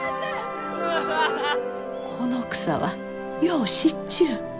この草はよう知っちゅう。